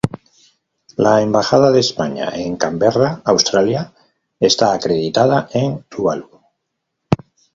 La Embajada de España en Canberra, Australia, está acreditada en Tuvalu.